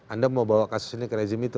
anda mau bawa kasus ini ke rezim itu